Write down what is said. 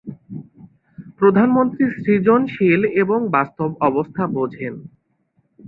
প্রধানমন্ত্রী সৃজনশীল এবং বাস্তব অবস্থা বোঝেন।